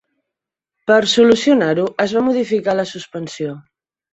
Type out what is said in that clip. Per solucionar-ho, es va modificar la suspensió.